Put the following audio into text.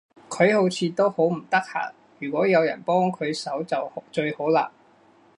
佢好似都好唔得閒，如果有人幫佢手就最好嘞